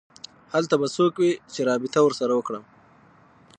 هلته به څوک وي چې رابطه ورسره وکړم